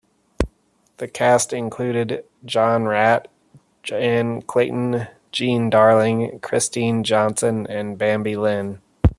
The cast included John Raitt, Jan Clayton, Jean Darling, Christine Johnson and Bambi Linn.